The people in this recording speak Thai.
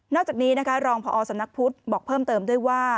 นอกจากนี้รองพศพุทธบอกเพิ่มเติมด้วยว่า